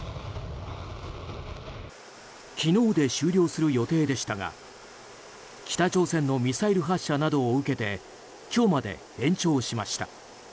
昨日で終了する予定でしたが北朝鮮のミサイル発射などを受けて今日まで延長しました。